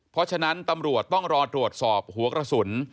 เพราะฉะนั้นตำรวจต้องรอตรวจสอบหัวกระสุน